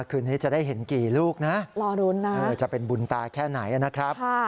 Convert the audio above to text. คืนนี้จะได้เห็นกี่ลูกนะรอรุ้นนะจะเป็นบุญตาแค่ไหนนะครับ